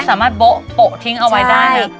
ก็สามารถโบะโบะทิ้งเอาไว้ได้